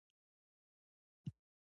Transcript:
د غور فیروزکوه د اسیا تر ټولو لوړ ښار و